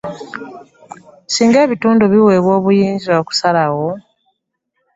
Singa ebitundu biweebwa obuyinza okusalawo